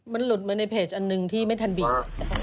มันหลุดมาในเพจอันหนึ่งที่ไม่ทันบิก